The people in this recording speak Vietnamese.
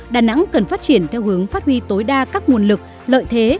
đà nẵng cần phát triển theo hướng phát huy tối đa các nguồn lực lợi thế